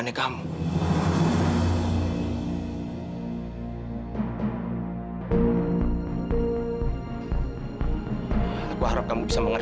itu adalah kandungan